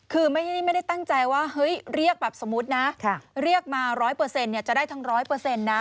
คือไม่ได้ตั้งใจว่าเฮ้ยเรียกแบบสมมุตินะเรียกมา๑๐๐จะได้ทั้ง๑๐๐นะ